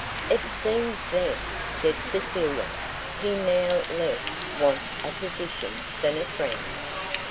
"It seems, then," said Cecilia, "he now less wants a physician than a friend."